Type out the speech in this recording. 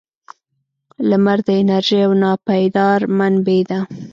• لمر د انرژۍ یو ناپایدار منبع دی.